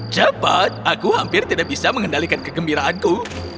cepat aku hampir tidak bisa mengendalikan kegembiraanku